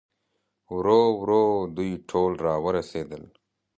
ورو ورو دوی ټول راورسېدل.